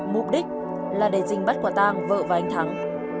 mục đích là để dình bắt quả tang vợ và anh thắng